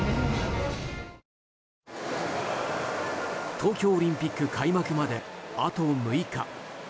東京オリンピック開幕まであと６日。